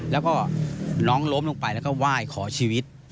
แล้วก็น้องล้มลงไปแล้วก็ไหว้ขอชีวิต